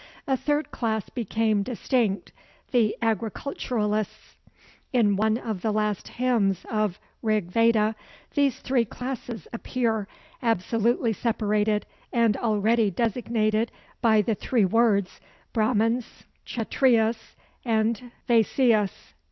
A third class became distinct, the agriculturists. In one of the last hymns of Rig Veda these three classes appear, absolutely separated and already designated by the three words Brahmans, Kchatryas, Vaisyas.